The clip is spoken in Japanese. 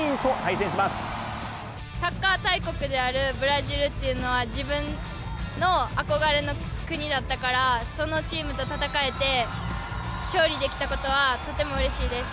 サッカー大国であるブラジルっていうのは、自分の憧れの国だったから、そのチームと戦えて、勝利できたことは、とてもうれしいです。